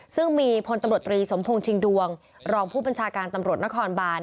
ซึ่งมีพลตำรวจตรีสมพงษ์ชิงดวงรองผู้บัญชาการตำรวจนครบาน